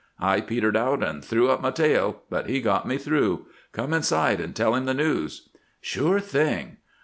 I petered out and threw up my tail, but he got me through. Come inside and tell him the news." "Sure thing."